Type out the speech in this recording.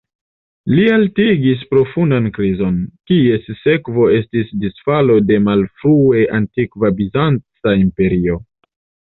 Li haltigis profundan krizon, kies sekvo estis disfalo de malfrue antikva bizanca imperio.